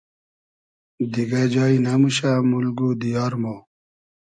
دیگۂ جای نئموشۂ مولگ و دیار مۉ